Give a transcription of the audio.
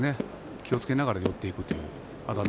気を付けながら寄っていく、熱海